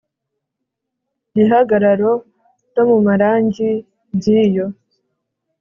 gihagararo no mu marangi by iyo